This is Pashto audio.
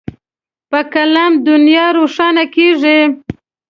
په قلم دنیا روښانه کېږي.